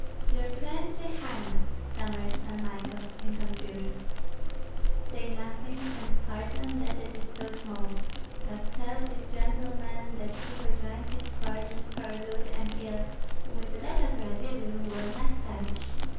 "Your princely highness!" stammered Pan Michael, in confusion. "Say nothing, and pardon that it is so small; but tell these gentlemen that he who joins his fortune for good and ill with that of Radzivill will not perish.